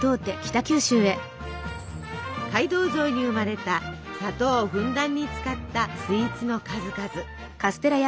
街道沿いに生まれた砂糖をふんだんに使ったスイーツの数々。